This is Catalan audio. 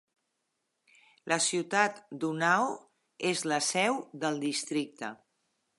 La ciutat d'Unnao és la seu del districte.